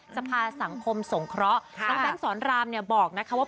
สภาสังคมสงเคราะห์น้องแบงค์สอนรามเนี่ยบอกนะคะว่า